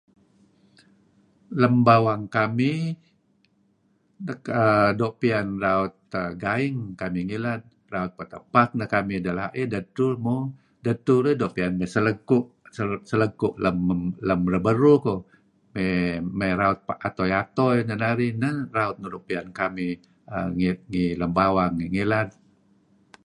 Lem bawang kamih err doo' piyan raut gaing kamih ngilad, raut petepak, neh kamih dela'ih, dedtur mo dedtur eh doo' piyan mey selegku' , selegku' lem reberuh koh , mey raut atoi-atoi neh narih. Neh raut nuk doo' piyan kamih ngi lem bawang ngi ngilad.